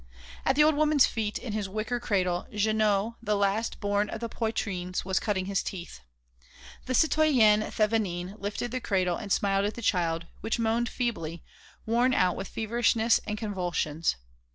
At the old woman's feet, in his wicker cradle, Jeannot, the last born of the Poitrines, was cutting his teeth. The citoyenne Thévenin lifted the cradle and smiled at the child, which moaned feebly, worn out with feverishness and convulsions.